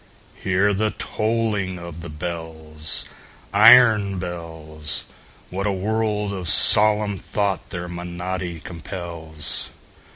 Hear the tolling of the bells, Iron bells! What a world of solemn thought their monody compels!